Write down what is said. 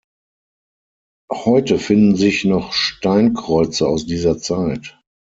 Heute finden sich noch Steinkreuze aus dieser Zeit.